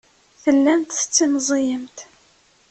Tellamt tettimẓiyemt.